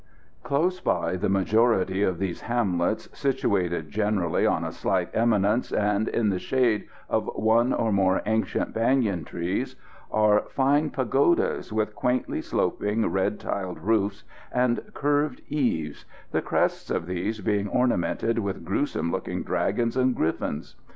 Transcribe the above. Close by the majority of these hamlets, situated generally on a slight eminence, and in the shade of one or more ancient banyan trees, are fine pagodas with quaintly sloping, red tiled roofs, and curved eaves, the crests of these being ornamented with gruesome looking dragons and griffins.